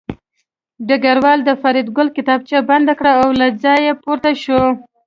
ډګروال د فریدګل کتابچه بنده کړه او له ځایه پورته شو